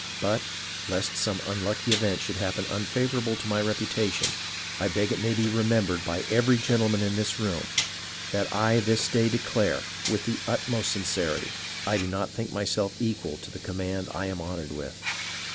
But, lest some unlucky event should happen unfavourable to my reputation, I beg it may be remembered by every gentleman in this room, that I this day declare with the utmost sincerity, I do not think myself equal to the com mand I am honoured with.